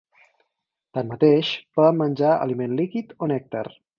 Tanmateix, poden menjar aliment líquid o nèctar.